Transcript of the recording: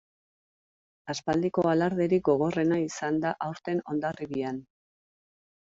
Aspaldiko alarderik gogorrena izan da aurten Hondarribian.